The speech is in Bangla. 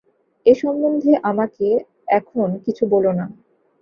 এ সম্বন্ধে আমাকে এখন কিছু বোলো না।